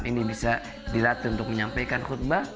ini bisa dilatih untuk menyampaikan khutbah